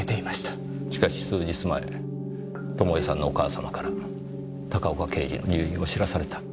しかし数日前智世さんのお母様から高岡刑事の入院を知らされた。